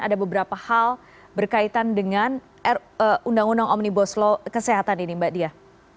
ada beberapa hal berkaitan dengan undang undang omnibus law kesehatan ini mbak dia